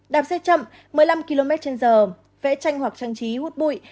đạp xe chậm một mươi năm km trên giờ vẽ tranh hoặc trang trí hút bụi